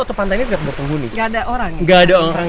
atau pantainya tidak ada orang